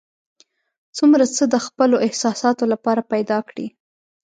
څومره څه د خپلو احساساتو لپاره پیدا کړي.